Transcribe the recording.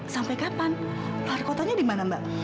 sampai kapan keluar kotanya dimana mba